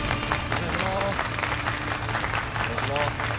お願いします。